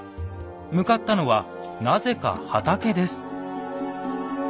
向かったのはなぜか畑です。